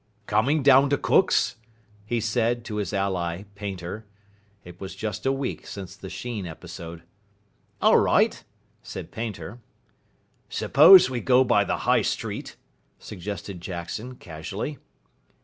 "Coming down to Cook's?" he said to his ally, Painter. It was just a week since the Sheen episode. "All right," said Painter. "Suppose we go by the High Street," suggested Jackson, casually.